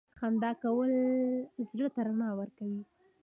• خندا کول زړه ته رڼا ورکوي.